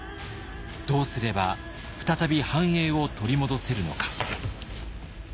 どうすれば再び繁栄を取り戻せるのか。